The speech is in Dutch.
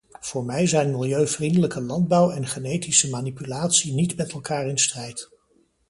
Voor mij zijn milieuvriendelijke landbouw en genetische manipulatie niet met elkaar in strijd.